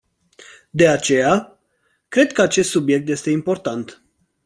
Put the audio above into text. De aceea, cred că acest subiect este important.